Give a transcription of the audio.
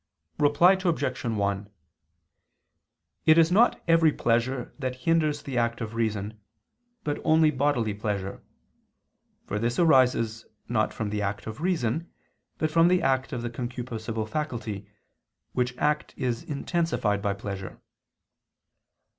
Reply Obj. 1: It is not every pleasure that hinders the act of reason, but only bodily pleasure; for this arises, not from the act of reason, but from the act of the concupiscible faculty, which act is intensified by pleasure.